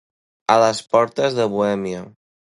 A les portes de Bohèmia.